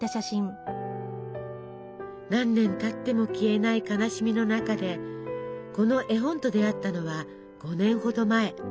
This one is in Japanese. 何年たっても消えない悲しみの中でこの絵本と出会ったのは５年ほど前。